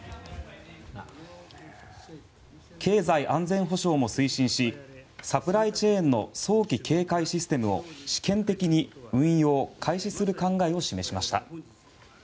経済安全保障も推進しサプライチェーンの早期警戒システムを試験的に運用開始する考えを示しました。